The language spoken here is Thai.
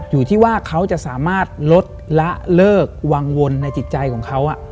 อยู่ที่ว่าเขาจะสามารถลดละเลิกวังวลในจิตใจของเขา